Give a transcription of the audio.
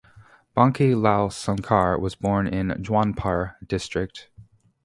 Banke Lal Sonkar was born in Jaunpur district.